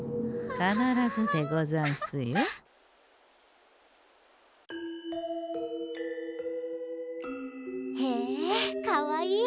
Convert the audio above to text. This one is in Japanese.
必ずでござんすよ？へえかわいい。